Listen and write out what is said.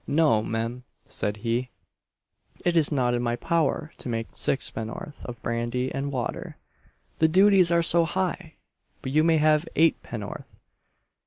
'No, mem,' said he, 'it is not in my power to make sixpenn'orth of brandy and water the dooties are so high; but you may have eightpenn'orth.